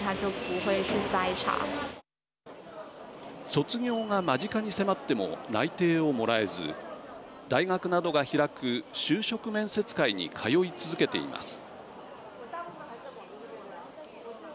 卒業が間近に迫っても内定をもらえず大学などが開く就職面接会に通い続けています。